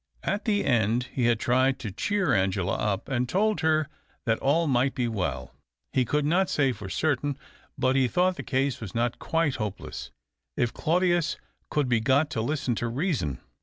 At the end he had tried to cheer Angela up, and told her that all might be well. He could not say for certain, but he thought the case was not quite hopeless, if Claudius could be got to listen to reason.